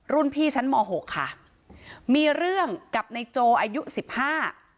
รุ่นพี่ชั้นหมอหกค่ะมีเรื่องกับในโจอายุสิบห้า